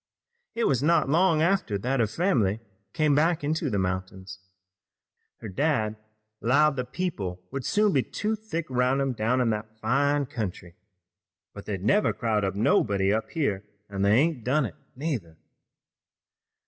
It was not long after that her fam'ly came back into the mountains. Her dad 'lowed that people would soon be too thick 'roun' him down in that fine country, but they'd never crowd nobody up here an' they ain't done it neither."